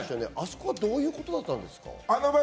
どういうことだったんですか？